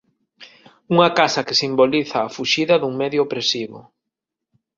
Unha casa que simboliza a fuxida dun medio opresivo.